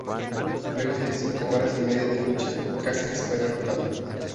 Luego de cinco horas y media de lucha, Cáceres fue derrotado.